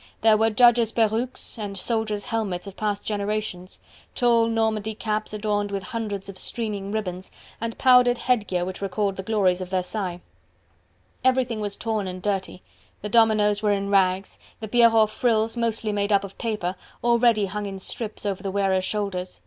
There were judges' perruques, and soldiers' helmets of past generations, tall Normandy caps adorned with hundreds of streaming ribbons, and powdered headgear which recalled the glories of Versailles. Everything was torn and dirty, the dominoes were in rags, the Pierrot frills, mostly made up of paper, already hung in strips over the wearers' shoulders.